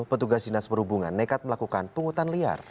petugas dinas perhubungan nekat melakukan pungutan liar